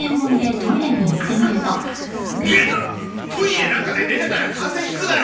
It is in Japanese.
トイレなんかで寝てたら風邪引くだろ！